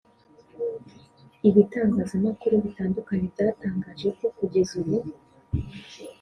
Ibitangazamakuru bitandukanye byatangaje ko kugeza ubu